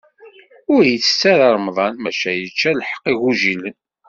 Ur itett ara remḍan, maca yečča lḥeqq igujilen.